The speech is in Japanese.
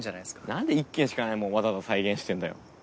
何で１軒しかないもんわざわざ再現してんだよ。